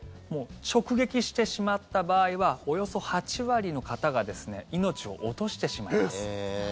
直撃してしまった場合はおよそ８割の方が命を落としてしまいます。